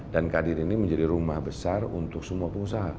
dan kadin ini menjadi rumah besar untuk semua pengusaha